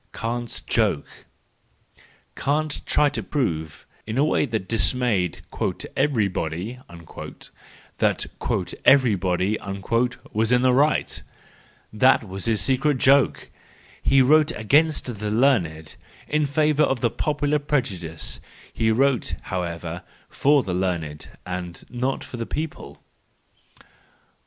Kants Joke, —Kant tried to prove, in a way that dismayed "everybody" that "eveiybody"was in the right:—that was his secret joke. He wrote against the learned, in favour of popular prejudice ; he wrote, however, for the learned and not for the people.